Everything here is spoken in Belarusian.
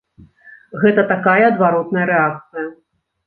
Гэта такая адваротная рэакцыя.